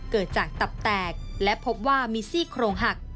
เกิดจากตับแตกและพบว่ามีซี่โครงหัก